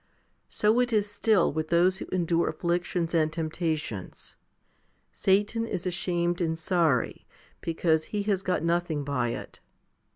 So it is still with those who endure afflictions and temptations ; Satan is ashamed and sorry, because he has got nothing by it.